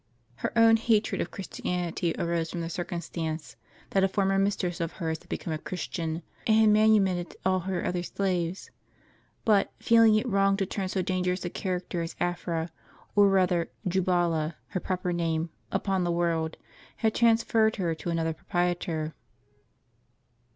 Her own hatred of Christianity arose from the circumstance, that a former mistress of hers had become a Christian and had manu mitted all her other slaves; but, feeling it wrong to turn so dangerous a character as Afra, or rather Jubala (her proper name), upon the world, had transferred her to another proprietor.